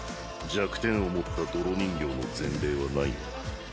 弱点を持った泥人形の前例はないが。